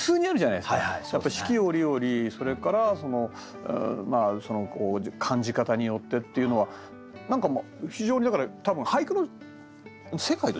やっぱり四季折々それから感じ方によってっていうのは何か非常にだから多分俳句の世界と近いんじゃないですかね。